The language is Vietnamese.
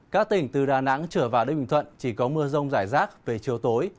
các tỉnh từ đà nẵng trở vào đến bình thuận chỉ có mưa rông rải rác về chiều tối